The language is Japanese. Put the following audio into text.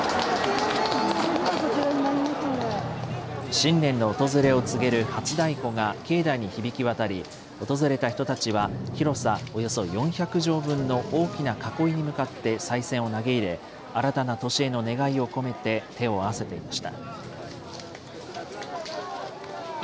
新年の訪れを告げる初太鼓が境内に響き渡り、訪れた人たちは、広さおよそ４００畳分の大きな囲いに向かってさい銭を投げ入れ、新たな年への願いを込めて手を合わせていました。